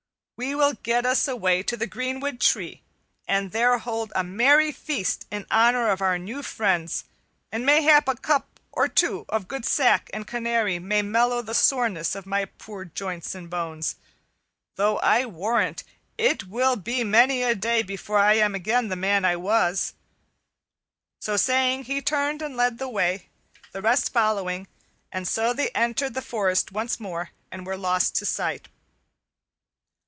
We will get us away to the greenwood tree, and there hold a merry feast in honor of our new friends, and mayhap a cup or two of good sack and canary may mellow the soreness of my poor joints and bones, though I warrant it will be many a day before I am again the man I was." So saying, he turned and led the way, the rest following, and so they entered the forest once more and were lost to sight.